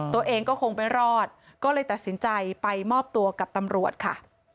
ตัวเองก็คงไม่รอดก็เลยตัดสินใจไปมอบตัวกับตำรวจค่ะ